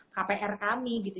menuntuti kpr kami gitu